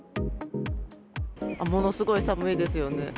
ものすごい寒いですよね。